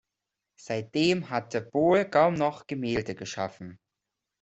Seitdem hatte Bol kaum noch Gemälde geschaffen.